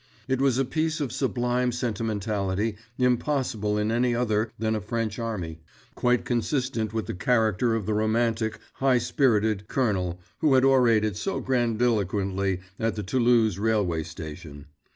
It was a piece of sublime sentimentality impossible in any other than a French army; quite consistent with the character of the romantic, high spirited colonel who had orated so grandiloquently at the Toulouse railway station.